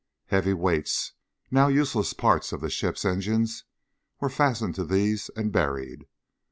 Heavy weights now useless parts of the ship's engines were fastened to these and buried.